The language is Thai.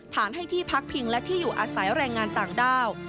ให้ที่พักพิงและที่อยู่อาศัยแรงงานต่างด้าว